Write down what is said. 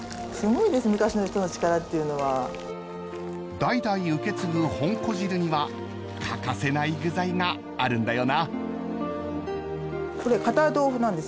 ［代々受け継ぐほんこ汁には欠かせない具材があるんだよな］